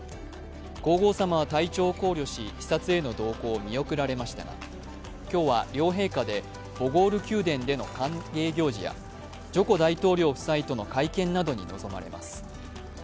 皇后さまは体調を考慮し視察への同行を見送られましたが今日は、両陛下でボゴール宮殿での歓迎行事や、ジョコ大統領夫妻との会見などに臨まれます。